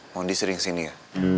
mau disering sini ya